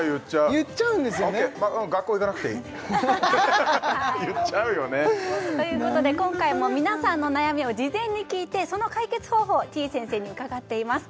言っちゃうよねということで今回も皆さんの悩みを事前に聞いてその解決方法をてぃ先生に伺っています